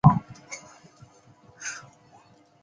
事业单位